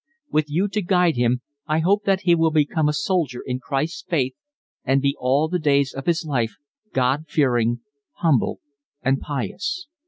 With you to guide him I hope that he will become a soldier in Christ's Faith and be all the days of his life God fearing, humble, and pious.